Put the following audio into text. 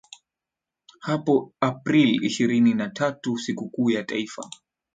hapo April ishirini na tatu sikukuu ya taifa